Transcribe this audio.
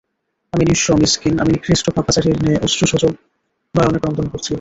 আমি নিঃস্ব মিসকীন, আমি নিকৃষ্ট পাপাচারীর ন্যায় অশ্রুসজল নয়নে ক্রন্দন করছি।